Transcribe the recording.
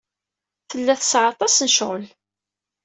Tella tesɛa aṭas n ccɣel.